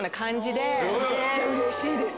めっちゃうれしいです。